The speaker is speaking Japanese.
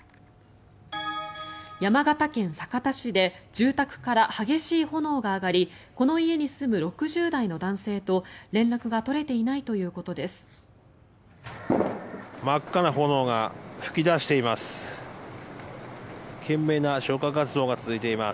山形県酒田市で住宅から激しい炎が上がりこの家に住む６０代の男性と連絡が取れていないということです。